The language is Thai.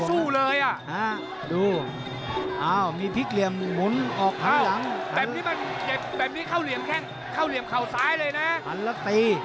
จะมีพลิกหรือเปล่านะครับ